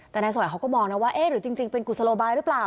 แต่นายสวัยเขาก็มองนะว่าเอ๊ะหรือจริงเป็นกุศโลบายหรือเปล่า